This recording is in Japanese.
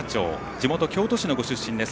地元・京都市のご出身です。